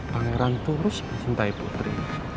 pangeran terus mencintai putri